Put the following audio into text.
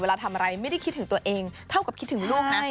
เวลาทำอะไรไม่ได้คิดถึงตัวเองเท่ากับคิดถึงลูกนะ